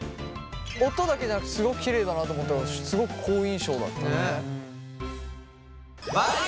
音だけじゃなくてすごくきれいだなと思ったからすごく好印象だったね。